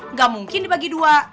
nggak mungkin dibagi dua